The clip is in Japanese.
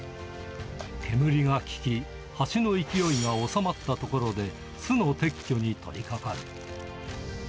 煙が効き、ハチの勢いが収まったところで、巣の撤去に取り掛かる。